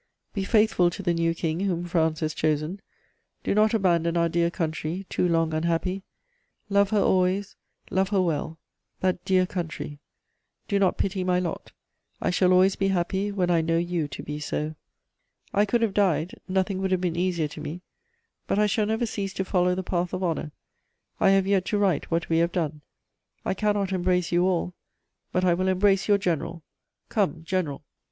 "Be faithful to the new King whom France has chosen; do not abandon our dear country, too long unhappy! Love her always, love her well, that dear country! "Do not pity my lot; I shall always be happy when I know you to be so. "I could have died; nothing would have been easier to me; but I shall never cease to follow the path of honour. I have yet to write what we have done. "I cannot embrace you all; but I will embrace your general.... Come, general!"